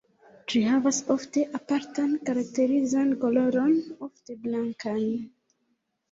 Ĝi havas ofte apartan karakterizan koloron ofte blankan.